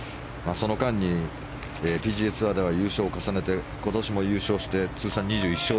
その間に、ＰＧＡツアーでは優勝を重ねて今年も優勝して通算２１勝。